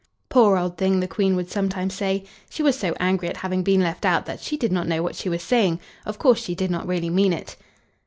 "Poor old thing," the Queen would sometimes say, "she was so angry at having been left out that she did not know what she was saying. Of course, she did not really mean it."